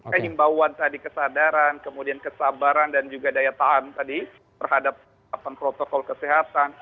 keimbauan tadi kesadaran kemudian kesabaran dan juga daya tahan tadi terhadap protokol kesehatan